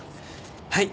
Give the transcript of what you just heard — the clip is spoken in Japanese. はい。